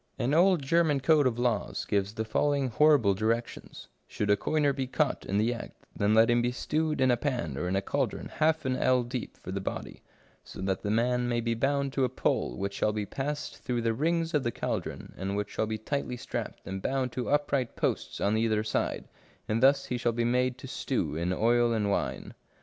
An old German code of laws gives the following horrible directions :" Should a coiner be caught in the act, then let him be stewed in a pan, or in a caldron half an ell deep for the body, so that the man may be bound to a pole which shall be passed through the rings of the caldron, and which shall be tightly strapped and bound to upright posts on either side, and thus he shall be made to stew in oil and wine."